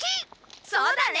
そうだね。